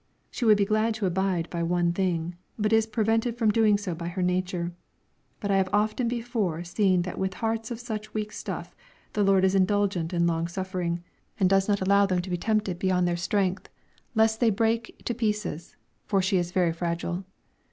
She would be glad to abide by one thing, but is prevented from so doing by her nature; but I have often before seen that with hearts of such weak stuff the Lord is indulgent and long suffering, and does not allow them to be tempted beyond their strength, lest they break to pieces, for she is very fragile.